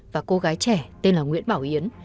và cô gái trẻ tên là nguyễn bảo yến